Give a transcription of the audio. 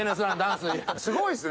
すごいっすね。